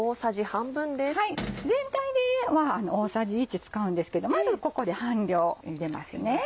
全体でいえば大さじ１使うんですけどまずここで半量入れますね。